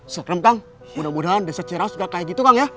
sekrem kang mudah mudahan desa ciraus juga kayak gitu kang ya